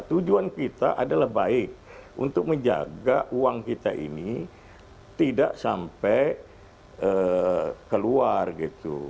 tujuan kita adalah baik untuk menjaga uang kita ini tidak sampai keluar gitu